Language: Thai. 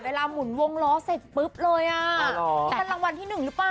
หมุนวงล้อเสร็จปุ๊บเลยอ่ะนี่เป็นรางวัลที่หนึ่งหรือเปล่า